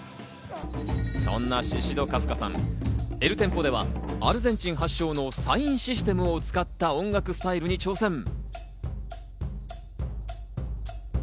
そんなシシド・カフカさん、ｅｌｔｅｍｐｏではアルゼンチン発祥のサイン・システムを使った音楽スタイルに挑戦。